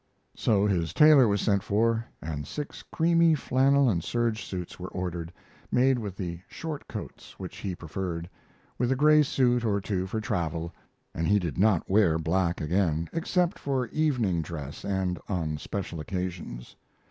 So his tailor was sent for, and six creamy flannel and serge suits were ordered, made with the short coats, which he preferred, with a gray suit or two for travel, and he did not wear black again, except for evening dress and on special occasions.